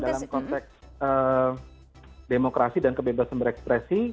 dalam konteks demokrasi dan kebebasan berekspresi